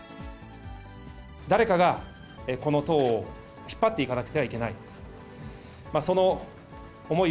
誰かがこの党を引っ張っていかなくてはいけない。